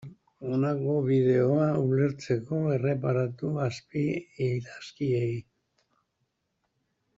Honako bideoa ulertzeko, erreparatu azpiidazkiei.